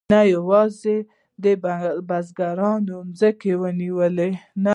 هغوی نه یوازې د بزګرانو ځمکې ونیولې